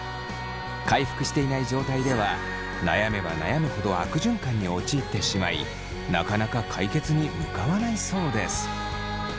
回復していない状態では悩めば悩むほど悪循環に陥ってしまいなかなか解決に向かわないそうです。